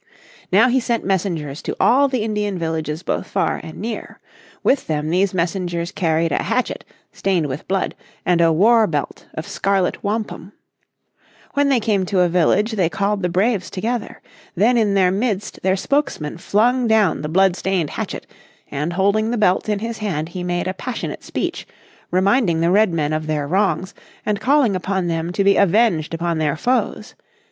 Now he sent messengers to all the Indian villages both far and near. With them these messengers carried a hatchet, stained with blood, and a war belt of scarlet wampum. When they came to a village they called the braves together. Then in their midst their spokesman flung down the blood stained hatchet, and holding the belt in his hand he made a passionate speech, reminding the Redmen of their wrongs, and calling upon them to be avenged upon their foes.